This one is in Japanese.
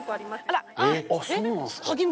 あら！